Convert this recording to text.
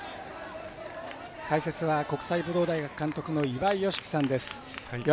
解説は国際武道大学監督の岩井美樹さんです。